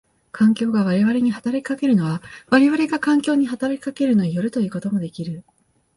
環境が我々に働きかけるのは我々が環境に働きかけるのに依るということもできる。